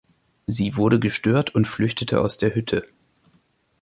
Sie wurde gestört und flüchtet aus der Hütte.